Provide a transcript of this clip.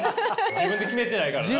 自分で決めてないからな。